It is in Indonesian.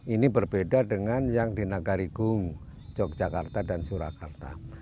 ini berbeda dengan yang di nagarigung yogyakarta dan surakarta